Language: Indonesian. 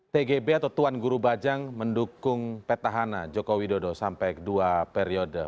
tgb atau tuan guru bajang mendukung peta hana jokowi dodo sampai dua periode